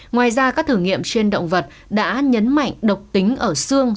ngoài ra các thử nghiệm trên động vật đã nhấn mạnh độc tính ở xương